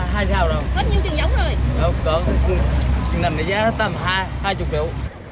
rồi có nằm đây giá tầm hai mươi triệu